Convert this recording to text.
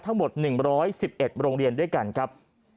ทั้งหมด๑๑๑โรงเรียนด้วยกันครับ